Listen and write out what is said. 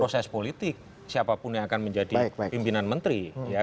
proses politik siapapun yang akan menjadi pimpinan menteri